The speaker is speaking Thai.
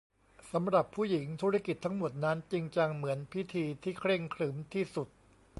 สำหรับผู้หญิงธุรกิจทั้งหมดนั้นจริงจังเหมือนพิธีที่เคร่งขรึมที่สุด